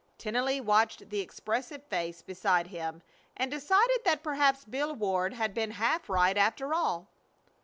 Tennelly watched the expressive face beside him and decided that perhaps Bill Ward had been half right, after all.